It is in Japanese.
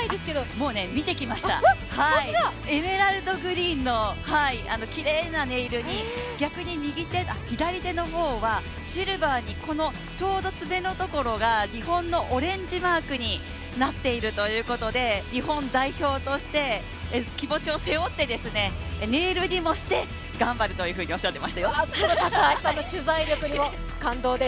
もう、見てきました、エメラルドグリーンのきれいなネイルに逆に左手の方はシルバーにこの、ちょうど爪のところが、日本のオレンジマークになっているということで日本代表として、気持ちを背負ってネイルにもして頑張るというふうにおっしゃっていましたよ。